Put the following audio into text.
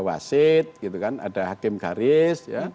wasit gitu kan ada hakim garis